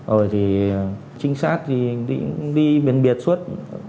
rồi thì trinh sát thì đi biên biệt suốt